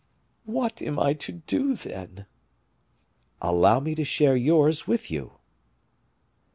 "What am I to do, then?" "Allow me to share yours with you."